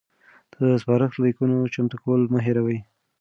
د سپارښت لیکونو چمتو کول مه هیروئ.